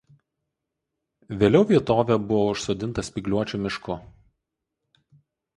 Vėliau vietovė buvo užsodinta spygliuočių mišku.